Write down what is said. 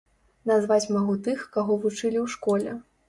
Назваць магу тых, каго вучылі ў школе.